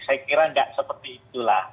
saya kira nggak seperti itulah